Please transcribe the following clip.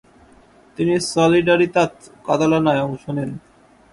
তিনি সলিডারিতাত কাতালানায় অংশ নেন।